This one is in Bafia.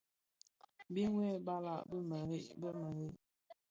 Bim yêê balàg bì mềrei bi mēreè.